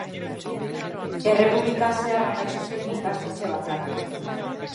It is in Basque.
Errepublikan zehar amaitu ziren ikastetxe bakarrak.